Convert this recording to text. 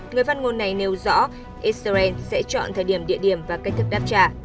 người phát ngôn này nêu rõ israel sẽ chọn thời điểm địa điểm và cách thức đáp trả